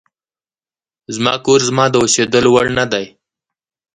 زما کور زما د اوسېدلو وړ نه دی.